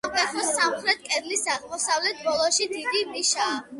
სამკვეთლოს სამხრეთ კედლის აღმოსავლეთ ბოლოში დიდი ნიშაა.